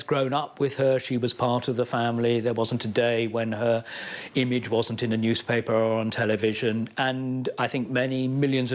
ก็คือการตัดสินใจที่เป็นการล้อม